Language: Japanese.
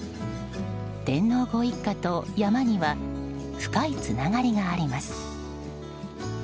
天皇ご一家と山には深いつながりがあります。